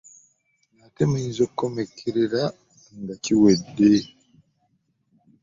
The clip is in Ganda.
Ate muyinza okukomekerera nga kiwedde .